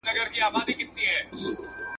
طوطی 🦜